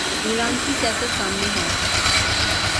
عمران کی سیاست سامنے ہے۔